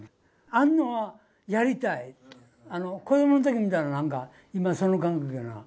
あるのは、やりたい、子どものときみたいななんか、今、その感覚やな。